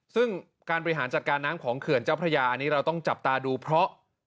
ซึ่งการบริหารจัดการน้ำของเขื่อนเจ้าพระยาอันนี้เราต้องจับตาดูเพราะ